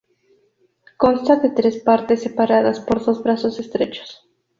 Consta de tres partes separadas por dos brazos estrechos.